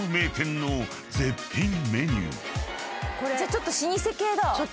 ちょっと老舗系だ。